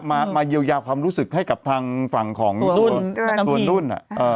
มามาเยียวยาความรู้สึกให้กับทางฝั่งของตัวนุ่น